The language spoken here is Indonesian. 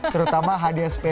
terutama hadiah sepeda